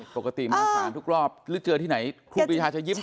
ปกติมาศาลทุกรอบหรือเจอที่ไหนครูปีชาจะยิ้ม